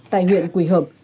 tại huyện quỳ hợp